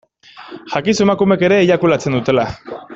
Jakizu emakumeek ere eiakulatzen dutela.